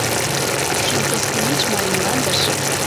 Шӱм костенеч Марий мландыш